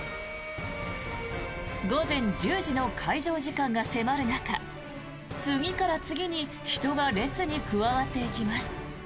午前１０時の開場時間が迫る中次から次に人が列に加わっていきます。